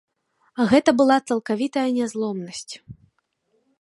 Гэта была цалкавітая нязломнасць.